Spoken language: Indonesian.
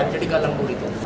jadi nggak lembur itu